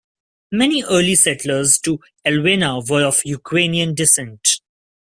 Many early settlers to Alvena were of Ukrainian descent.